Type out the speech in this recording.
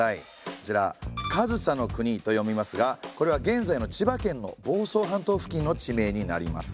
こちら上総国と読みますがこれは現在の千葉県の房総半島付近の地名になります。